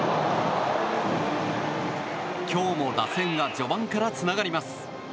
今日も、打線が序盤からつながります。